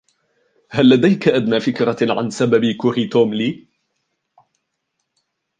هل لديك أدنی فكرة عن سبب كره "توم" لي ؟